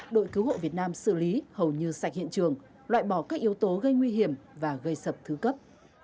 đội cứu hộ việt nam xử lý hầu như sạch hiện trường loại bỏ các yếu tố gây nguy hiểm và gây sập thứ cấp